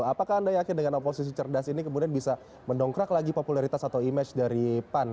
apakah anda yakin dengan oposisi cerdas ini kemudian bisa mendongkrak lagi popularitas atau image dari pan